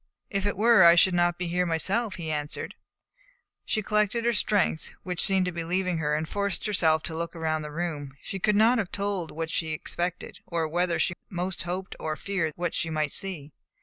"If it were, I should not be here myself," he answered. She collected her strength, which seemed to be leaving her, and forced herself to look around the room. She could not have told what she expected, or whether she most hoped or feared what she might see.